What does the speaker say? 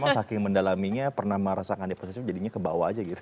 memang saking mendalaminya pernah merasakan deposisi jadinya kebawa aja gitu